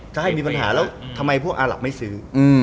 ถ้าให้มีปัญหาแล้วทำไมพวกอาหลับไม่ซื้อ